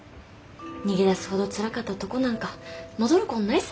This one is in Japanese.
逃げ出すほどつらかったとこなんか戻るこんないさ。